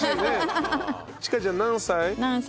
千花ちゃん何歳？